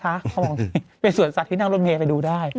เขาบอกเป็นสวนสัตว์ที่นั่งรถเมย์ไปดูได้